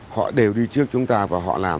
họ đều đi trước chúng ta và họ làm